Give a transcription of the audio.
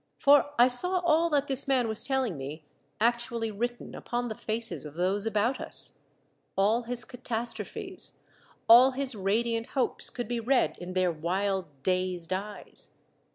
For I saw all that this man was telling me actually written upon the faces of those about us ; all his catastrophes, all his radiant hopes could be read in their wild, dazed eyes.